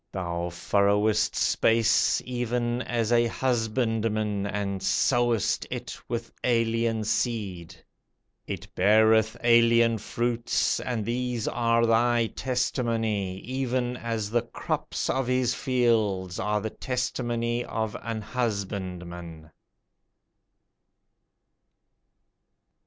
Thou furrowest space, Even as an husbandman, And sowest it with alien seed; It beareth alien fruits, And these are thy testimony, Even as the crops of his fields Are the testimony of an husbandman.